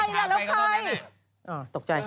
แล้วใครล่ะแล้วใคร